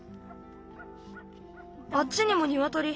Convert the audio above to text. ・あっちにもニワトリ。